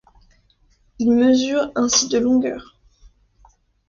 Il mesure ainsi de longueur.